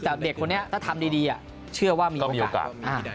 แต่เด็กคนนี้ถ้าทำดีเชื่อว่ามีโอกาส